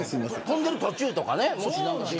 飛んでる途中とかね。